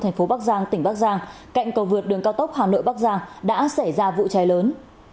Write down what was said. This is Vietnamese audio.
thành phố bắc giang tỉnh bắc giang cạnh cầu vượt đường cao tốc hà nội bắc giang đã xảy ra vụ cháy lớn